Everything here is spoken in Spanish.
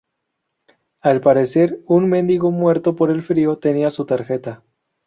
Al parecer un mendigo muerto por el frío tenía su tarjeta.